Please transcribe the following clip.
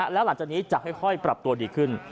แล้วหลังจากนี้จะค่อยปรับตัวดีขึ้น